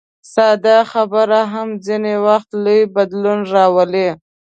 ساده خبره هم ځینې وخت لوی بدلون راولي.